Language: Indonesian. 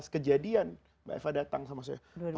kejadian mbak eva datang sama saya